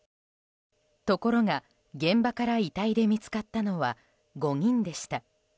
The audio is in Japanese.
ところが現場から遺体で見つかったのは５人でした。